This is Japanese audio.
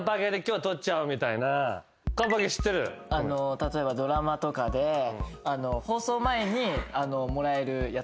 例えばドラマとかで放送前にもらえるやつ。